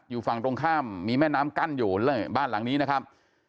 อยู่ฝั่งตรงข้ามมีแม่น้ำกั้นอยู่บ้านหลังนี้นะครับ